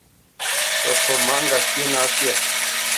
Fǝfot máʼ ŋgasyé na syâ.